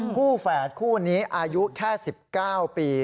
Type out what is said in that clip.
แฝดคู่นี้อายุแค่๑๙ปี